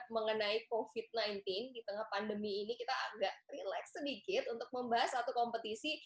mengenai covid sembilan belas di tengah pandemi ini kita agak relax sedikit untuk membahas satu kompetisi